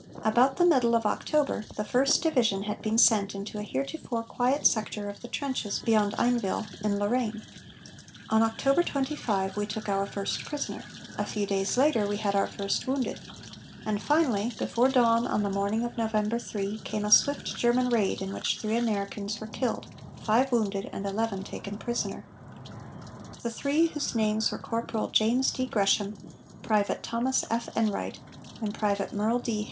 About the middle of October, the First division had been sent into a heretofore quiet sector of the trenches beyond Einville, in Lorraine. On October 25, we took our first prisoner; a few days later, we had our first wounded; and finally before dawn on the morning of November 3, came a swift German raid in which three Americans were killed, five wounded and eleven taken prisoner. The three, whose names were Corporal James D. Gresham, Private Thomas F. Enright, and Private Merle D.